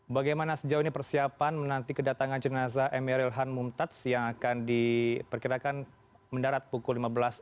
bagaimana sejauh ini persiapan menanti kedatangan jenazah ariel khan mumtaz yang akan diperkirakan mendarat pukul lima belas